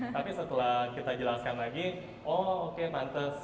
tapi setelah kita jelaskan lagi oh oke mantes